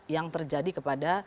yang terjadi kepada